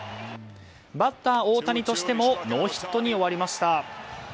バッター大谷としてもノーヒットに終わりました。